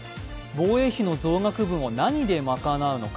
防衛費の増額分を何で賄うのか。